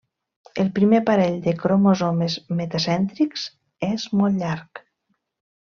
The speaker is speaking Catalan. El primer parell de cromosomes metacèntrics és molt llarg.